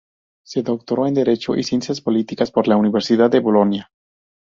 Se doctoró en Derecho y Ciencias Políticas por la Universidad de Bolonia.